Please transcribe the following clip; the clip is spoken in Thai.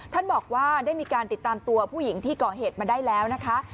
ท่านบอกว่าได้มีการติดตามตัวผู้หญิงที่ก่อเหตุมาได้แล้วนะคะ